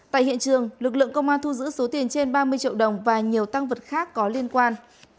tại hiện trường lực lượng công an thu giữ số tiền trên ba mươi triệu đồng và nhiều tăng vật khác có liên quan